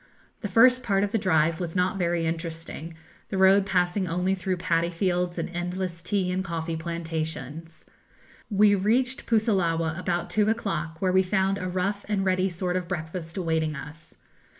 The first part of the drive was not very interesting, the road passing only through paddy fields and endless tea and coffee plantations. We reached Pusillawa about two o'clock, where we found a rough and ready sort of breakfast awaiting us.